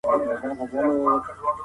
پخواني چور او تالان خلګ وېرولي وو.